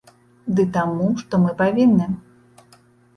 Ды таму, што мы павінны.